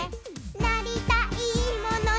「なりたいものに」